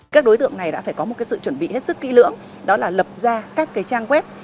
các đối tượng này đã phải có một sự chuẩn bị hết sức kỹ lưỡng đó là lập ra các trang web